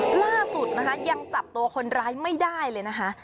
ล่าสุดนะคะยังจับตัวคนร้ายไม่ได้เลยนะคะ